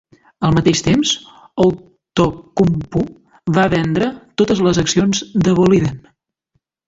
Al mateix temps, Outokumpu va vendre totes les accions de Boliden.